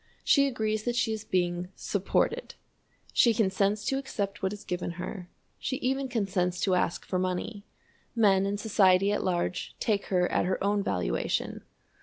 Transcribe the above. She agrees that she is being "supported"; she consents to accept what is given her; she even consents to ask for money. Men and society at large take her at her own valuation.